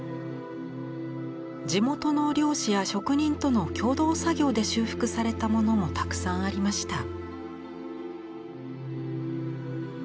地元の漁師や職人との共同作業で修復されたものもたくさんありました。